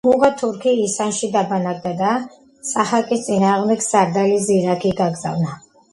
ბუღა თურქი ისანში დაბანაკდა და საჰაკის წინააღმდეგ სარდალი ზირაქი გაგზავნა.